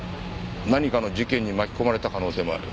何かの事件に巻き込まれた可能性もある。